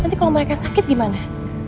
nanti kalau mereka sakit gimana